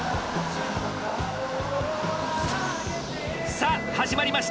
さあ始まりました！